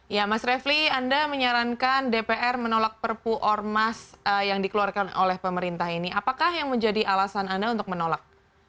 ya mas refli anda menyarankan dpr menolak perpu ormas yang dikeluarkan oleh pemerintah ini apakah yang menjadi alasan anda untuk menolak